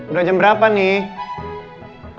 udah jam berapa nih